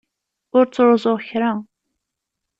Ur ttruẓuɣ kra.